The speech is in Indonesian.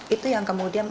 itu yang kemudian